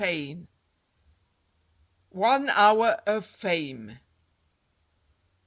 XVI ONE HOUR OF FAME MR.